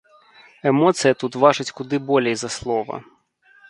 Эмоцыя тут важыць куды болей за слова.